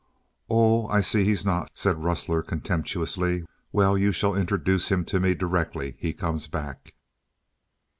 "Oh, I see he's not," said Rustler contemptuously; "well, you shall introduce him to me directly he comes back."